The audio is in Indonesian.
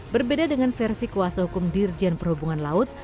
berbeda dengan versi kuasa hukum dirjen perhubungan laut